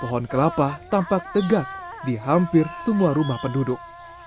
pohon kelapa tampak tegak di hampir semua rumah penduduk